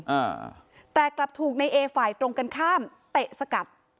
อ่าแต่กลับถูกในเอฝ่ายตรงกันข้ามเตะสกัด